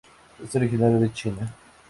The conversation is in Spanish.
Es originario de China.